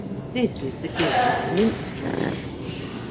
This is the Guild of the Minstrels.